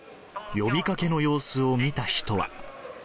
呼びかけの様子を見た人は。